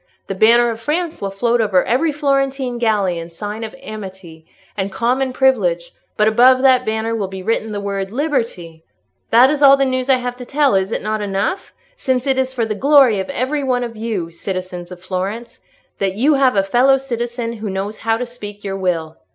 The banner of France will float over every Florentine galley in sign of amity and common privilege, but above that banner will be written the word 'Liberty!' "That is all the news I have to tell; is it not enough?—since it is for the glory of every one of you, citizens of Florence, that you have a fellow citizen who knows how to speak your will."